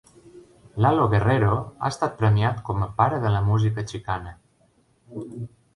Lalo Guerrero ha estat premiat com a "pare de la música xicana".